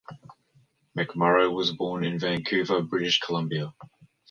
McMorrow was born in Vancouver, British Columbia.